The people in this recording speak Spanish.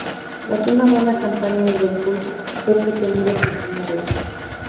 Tras una buena campaña en Liverpool, fue pretendido por Peñarol.